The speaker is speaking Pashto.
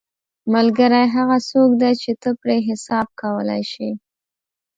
ملګری هغه څوک دی چې ته پرې حساب کولی شې.